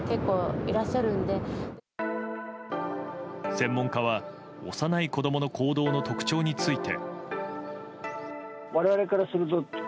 専門家は幼い子供の行動の特徴について。